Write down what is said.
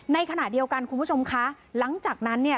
ในขณะเดียวกันคุณผู้ชมคะหลังจากนั้นเนี่ย